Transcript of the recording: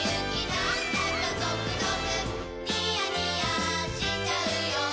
なんだかゾクゾクニヤニヤしちゃうよ